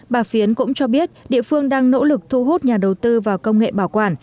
bà phiến cũng cho biết địa phương đang nỗ lực thu hút nhà đầu tư vào công nghệ bảo quản